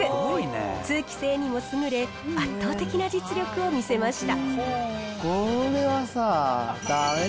通気性にも優れ圧倒的な実力を見せました。